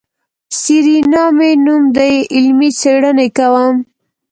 سېرېنا مې نوم دی علمي څېړنې کوم.